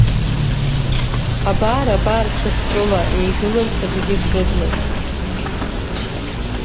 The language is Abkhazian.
Абар-абар ҽыҳәҵәыла еижәыларц акгьы шрыгмыз…